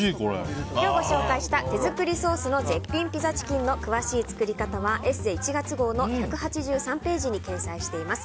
今日ご紹介した手づくりソースの絶品ピザチキンの詳しい作り方は「ＥＳＳＥ」１月号の１８３ページに掲載しています。